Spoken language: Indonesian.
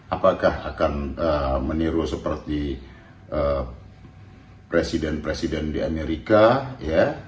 apakah akan meniru seperti presiden presiden di amerika ya